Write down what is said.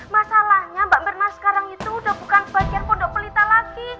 masalahnya mbak mirna sekarang itu udah bukan bagian pondok pelita lagi